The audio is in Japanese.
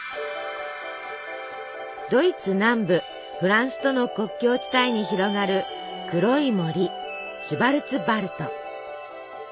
ドイツ南部フランスとの国境地帯に広がる黒い森シュヴァルツヴァルト。